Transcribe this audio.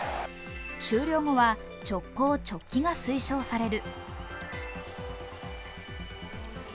終了後は直行直帰が推奨される。